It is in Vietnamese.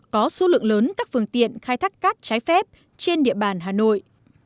có số lượng lớn các phương tiện khai thác cát trái phép trên địa bàn hà nội